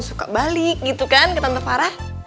suka balik gitu kan ke tante parah